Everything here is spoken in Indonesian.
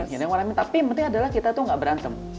tapi yang penting adalah kita tuh nggak berantem